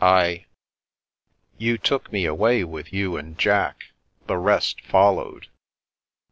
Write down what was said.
I ''" You took me away with you and Jack. The rest followed."